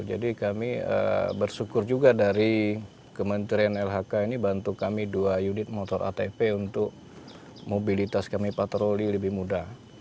jadi kami bersyukur juga dari kementerian lhk ini bantu kami dua unit motor atp untuk mobilitas kami patroli lebih mudah